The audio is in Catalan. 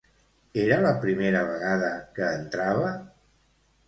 Era la primera vegada que entrava?